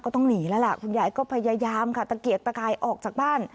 ต้องหนีแล้วล่ะคุณยายก็พยายามค่ะตะเกียกตะกายออกจากบ้าน